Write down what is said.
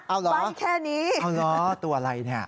อ้าวใบ้แค่นี้เอาเหรอตัวอะไรเนี่ย